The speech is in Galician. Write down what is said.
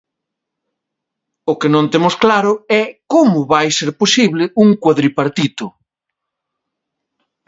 O que non temos claro é como vai ser posible un cuadripartito.